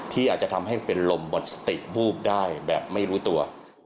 ที่อาจจะทำให้เป็นลมหมดสติวูบได้แบบไม่รู้ตัว